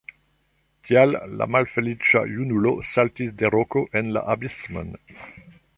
Tial la malfeliĉa junulo saltis de roko en la abismon.